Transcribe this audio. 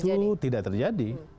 itu tidak terjadi